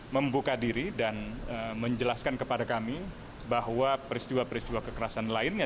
membuka diri dan menjelaskan kepada kami bahwa peristiwa peristiwa kekerasan lainnya